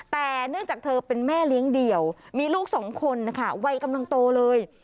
แต่เนื่องจากเธอเป็นแม่เลี้ยงเดี่ยวมีลูกสองคนนะคะวัยกำลังโตเลย